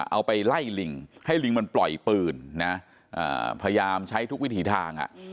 เอาไปไล่ลิงให้ลิงมันปล่อยปืนนะพยายามใช้ทุกวิถีทาง